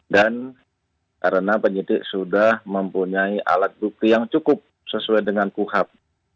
dan karena penyitik sudah mempunyai alat bukti yang cukup sesuai dengan kuhap